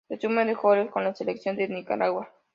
Resumen de Goles con la Selección de Nicaragua